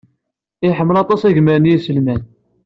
Iḥemmel aṭas agmar n yiselman.